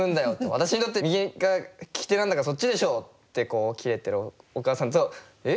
私にとって右が利き手なんだからそっちでしょ！」ってキレてるお母さんと「え？